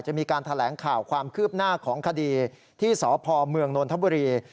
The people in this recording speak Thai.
จะมีการแถลงข่าวความคืบหน้าของคดีที่สพเมืองนนทบุรี